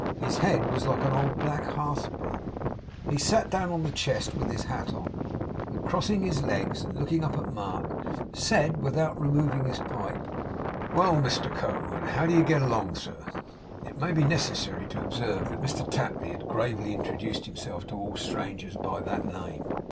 His head was like an old black hearth broom. He sat down on the chest with his hat on; and crossing his legs and looking up at Mark, said, without removing his pipe: 'Well, Mr Co.! and how do you git along, sir?' It may be necessary to observe that Mr Tapley had gravely introduced himself to all strangers, by that name.